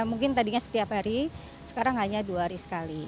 mungkin tadinya setiap hari sekarang hanya dua hari sekali